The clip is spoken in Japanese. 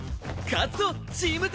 勝つぞチームＺ！